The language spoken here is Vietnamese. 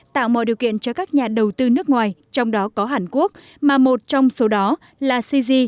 tạo mọi điều kiện cho các nhà đầu tư nước ngoài trong đó có hàn quốc mà một trong số đó là cg